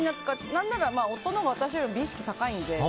何なら夫のほうが私よりも美意識が高いので。